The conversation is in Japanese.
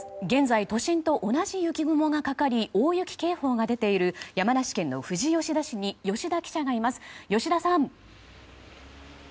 現在、都心と同じ雪雲がかかり大雪警報が出ている山梨県富士吉田市に吉田記者がいます。